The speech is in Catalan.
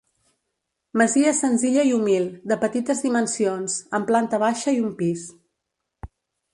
Masia senzilla i humil, de petites dimensions, amb planta baixa i un pis.